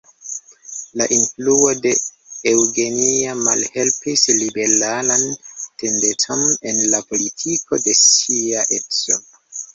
La influo de Eugenia malhelpis liberalan tendencon en la politiko de ŝia edzo.